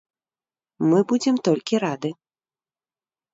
Мы будзем толькі рады.